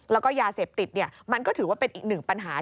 แล้วก็ยาเสพติดมันก็ถือว่าเป็นอีกหนึ่งปัญหา